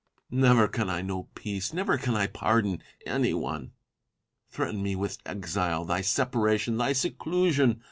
Never can I know peace — never can I pardon — anyone. Threaten me with thy exile, thy separation, thy seclusion